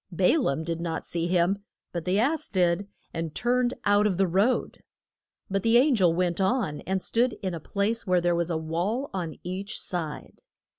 Ba laam did not see him, but the ass did and turned out of the road. But the an gel went on and stood in a place where there was a wall on each side.